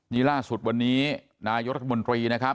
นี่ล่าสุดวันนี้นายธรรมนตรี